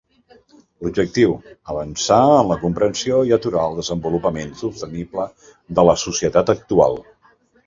L'objectiu, avançar en la comprensió i aturar el desenvolupament sostenible de la societat actual.